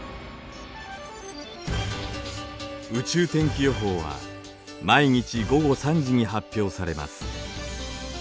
宇宙天気予報は毎日午後３時に発表されます。